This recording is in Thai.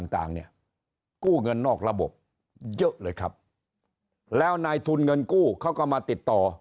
ต่างเนี่ยกู้เงินนอกระบบเยอะเลยครับแล้วนายทุนเงินกู้เขาก็มาติดต่อ